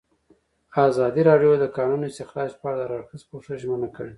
ازادي راډیو د د کانونو استخراج په اړه د هر اړخیز پوښښ ژمنه کړې.